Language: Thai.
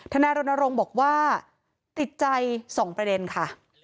นายรณรงค์บอกว่าติดใจ๒ประเด็นค่ะ